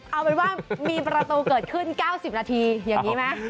เอาเป็นว่ามีประตูเกิดขึ้น๙๐นาทีอย่างนี้ไหม